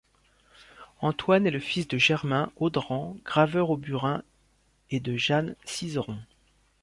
Antoine est le fils de Germain Audran, graveur au burin, et de Jeanne Cizeron.